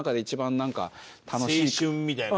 青春みたいな？